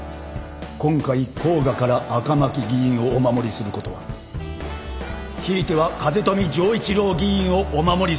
今回甲賀から赤巻議員をお守りすることはひいては風富城一郎議員をお守りするということ。